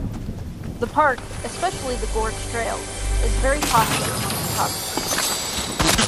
The park, especially the Gorge Trail, is very popular among photographers.